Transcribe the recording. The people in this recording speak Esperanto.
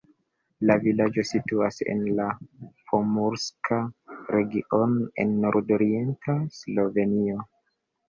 La vilaĝo situas en la Pomurska regiono en nordorienta Slovenio.